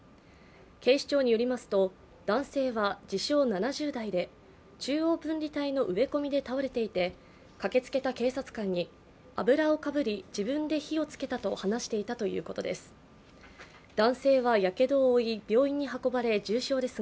警視庁によりますと、男性は自称７０代で中央分離帯の植え込みで倒れていて駆けつけた警察官に油をかぶり自分で火を付けたと話していたということです。